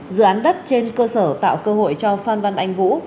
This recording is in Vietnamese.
dự án đất trên cơ sở tạo cơ hội cho phan văn anh vũ